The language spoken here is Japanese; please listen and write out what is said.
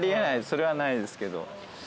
それはないですけど。